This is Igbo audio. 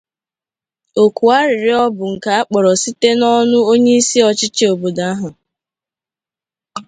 Òkù arịrịọ bụ nke a kpọrọ site n'ọnụ onyeisi ọchịchị obodo ahụ